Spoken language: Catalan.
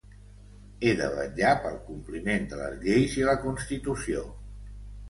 He de vetllar pel compliment de les lleis i la constitució.